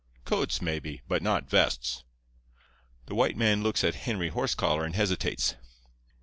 Coats, maybe, but not vests.' "The white man looks at Henry Horsecollar and hesitates.